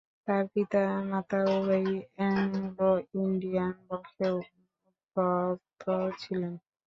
তাঁর পিতা-মাতা উভয়ই অ্যাংলো-ইন্ডিয়ান বংশোদ্ভূত ছিলেন।